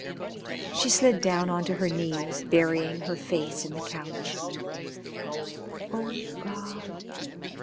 She slid down on to her knees, burying her face in the couch. "Oh, God!